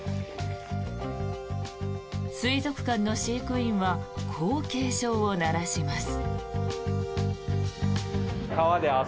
水族館の飼育員はこう警鐘を鳴らします。